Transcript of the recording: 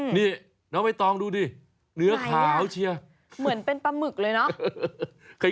หนี้แล้วไม้ตองดูดิเนื้อขาวเชียวเหมือนเป็นปลาหมึกเลยนะ